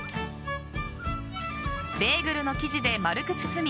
ベーグルの生地で丸く包み